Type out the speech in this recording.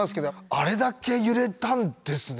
あれだけ揺れたんですね